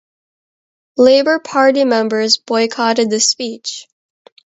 Labour Party members boycotted the speech.